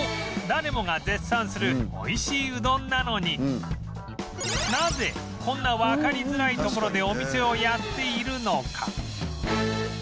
誰もが絶賛する美味しいうどんなのになぜこんなわかりづらい所でお店をやっているのか？